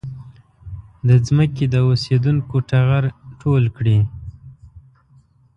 د ځمکې د اوسېدونکو ټغر ټول کړي.